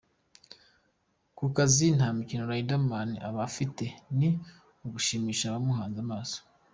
Ku kazi nta mikino Riderman aba afite, ni ugushimisha abamuhanze amaso.